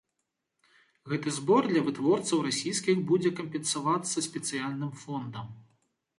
Гэты збор для вытворцаў расійскіх будзе кампенсавацца спецыяльным фондам.